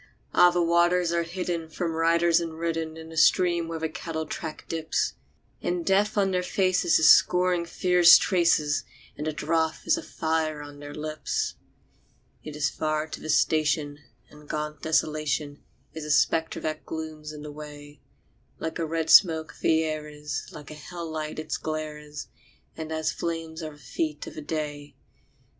Ah! the waters are hidden from riders and ridden In a stream where the cattle track dips; And Death on their faces is scoring fierce traces, And the drouth is a fire on their lips. It is far to the station, and gaunt Desolation Is a spectre that glooms in the way; Like a red smoke the air is, like a hell light its glare is, And as flame are the feet of the day.